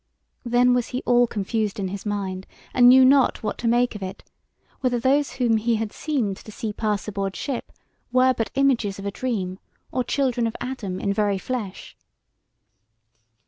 Then was he all confused in his mind, and knew not what to make of it, whether those whom he had seemed to see pass aboard ship were but images of a dream, or children of Adam in very flesh.